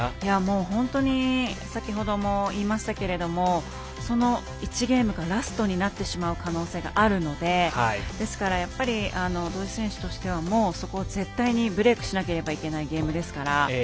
本当に先ほども言いましたけれどもその１ゲームがラストになってしまう可能性があるのでですから、土居選手としてはもう絶対そこをブレークしなければいけないゲームですから。